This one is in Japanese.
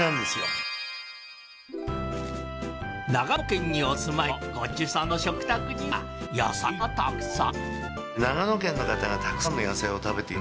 長野県にお住まいのご長寿さんの食卓には野菜がたくさん。